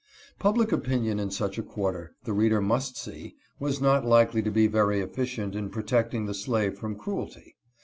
Public opinion in such a quarter, the reader must see, was not likely to be very efficient in protecting the slave from cruelty.